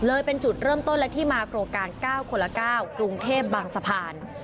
เลยเป็นจุดเริ่มต้นและที่มาโครงการ๙คนละ๙กรุงเทพบางสะพาน